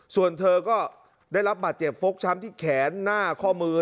ส่วนเธอก็ได้รับบาดเจ็บฟกช้ำที่แขนหน้าข้อมือ